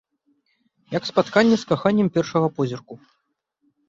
Як спатканне з каханнем першага позірку.